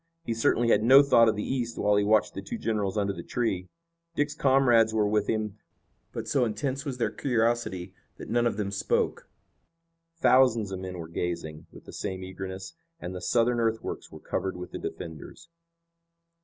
He certainly had no thought of the East while he watched the two generals under the tree. Dick's comrades were with him, but so intense was their curiosity that none of them spoke. Thousands of men were gazing with the same eagerness, and the Southern earthworks were covered with the defenders.